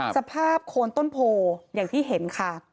โคนต้นโพอย่างที่เห็นค่ะ